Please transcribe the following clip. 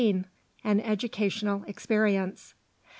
AN EDUCATIONAL EXPERIENCE.